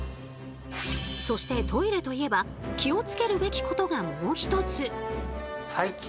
そしてトイレといえば気を付けるべきことがもうひとつ。